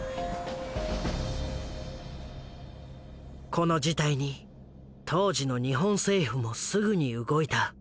この事態に当時の日本政府もすぐに動いた。